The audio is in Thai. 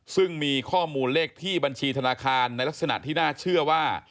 ซึ่งมีข้อมูลเลขที่บัญชีธนาคารในลักษณะที่น่าเชื่อว่า